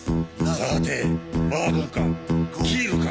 さてバーボンかキールか。